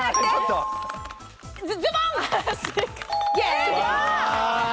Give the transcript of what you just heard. ズボン！